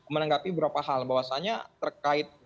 menanggapi beberapa hal bahwasannya terkait